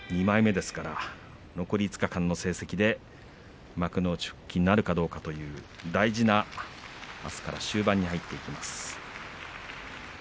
２枚目ですから残り５日間の成績で幕内復帰なるかどうかという大事な、あすからの終盤に入っていきます。